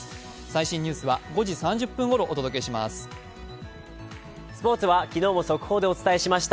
最新ニュースは５時３０分ごろお伝えします。